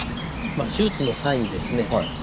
手術の際にですね